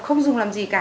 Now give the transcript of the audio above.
không dùng làm gì cả